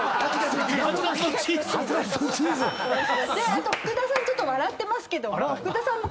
あと福田さんちょっと笑ってますけども。